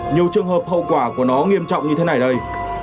nhiều trường hợp hậu quả của nó nghiêm trọng như thế này ở đây